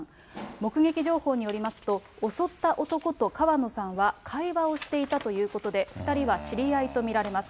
目撃情報によりますと、襲った男と川野さんは会話をしていたということで、２人は知り合いと見られます。